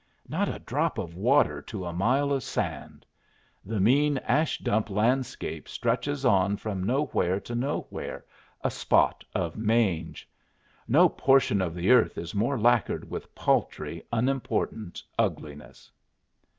Not a drop of water to a mile of sand. The mean ash dump landscape stretches on from nowhere to nowhere, a spot of mange. No portion of the earth is more lacquered with paltry, unimportant ugliness.